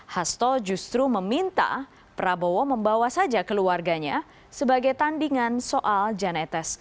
hasto justru meminta prabowo membawa saja keluarganya sebagai tandingan soal jan etes